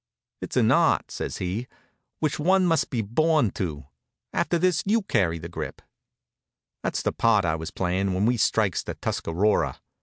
"It's an art," says he, "which one must be born to. After this you carry the grip." That's the part I was playin' when we strikes the Tuscarora.